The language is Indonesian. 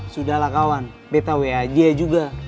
sudahlah kawan betta wa dia juga